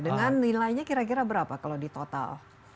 dengan nilainya kira kira berapa kalau di total